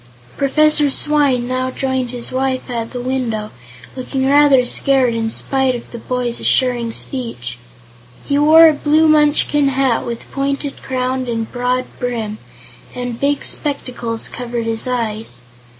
Professor Swyne now joined his wife at the window, looking rather scared in spite of the boy's assuring speech. He wore a blue Munchkin hat, with pointed crown and broad brim, and big spectacles covered his eyes.